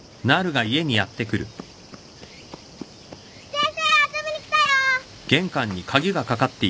先生遊びに来たよ！